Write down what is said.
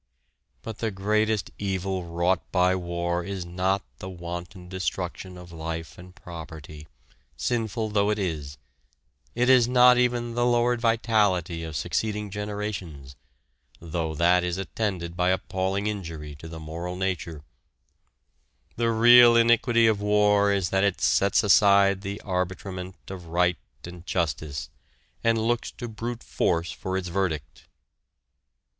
But the greatest evil wrought by war is not the wanton destruction of life and property, sinful though it is; it is not even the lowered vitality of succeeding generations, though that is attended by appalling injury to the moral nature the real iniquity of war is that it sets aside the arbitrament of right and justice, and looks to brute force for its verdict!